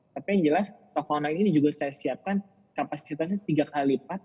tapi yang jelas toko online ini juga saya siapkan kapasitasnya tiga kali lipat